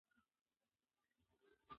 ولې ځینې ټولنې ډېر پرمختګ کوي؟